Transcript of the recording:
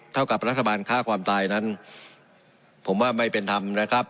กับรัฐบาลฆ่าความตายนั้นผมว่าไม่เป็นธรรมนะครับ